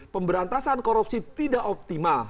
pemberantasan korupsi tidak optimal